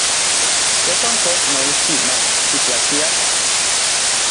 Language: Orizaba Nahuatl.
¿Tejuan kox noijki mach titlachiaj?